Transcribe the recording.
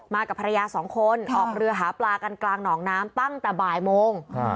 กับภรรยาสองคนออกเรือหาปลากันกลางหนองน้ำตั้งแต่บ่ายโมง